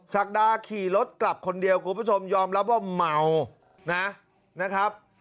ศักดาขี่รถกลับคนเดียวคุณผู้ชมยอมรับว่าเมานะครับ